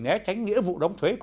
nhé tránh nghĩa vụ đóng thuế